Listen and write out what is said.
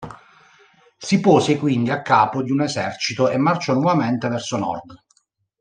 Si pose quindi a capo di un esercito e marciò nuovamente verso nord.